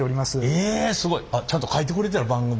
えすごい！あっちゃんと書いてくれてある番組。